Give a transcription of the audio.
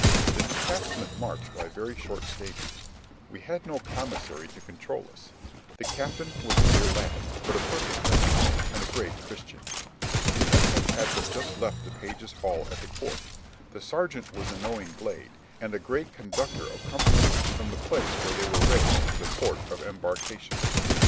The detachment marched by very short stages; we had no commissary to control us; the captain was a mere lad, but a perfect gentleman, and a great christian; the ensign had but just left the page's hall at the court; the serjeant was a knowing blade, and a great conductor of companies from the place where they were raised to the port of embarkation.